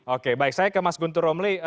oke baik saya ke mas guntur romli